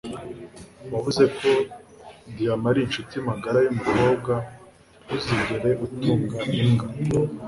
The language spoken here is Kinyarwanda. uwavuze ko diyama ari inshuti magara y'umukobwa ntuzigere utunga imbwa